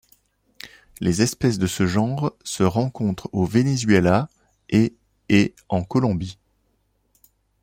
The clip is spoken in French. Les espèces de ce genre se rencontrent au Venezuela et et en Colombie.